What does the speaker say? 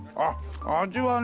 味はね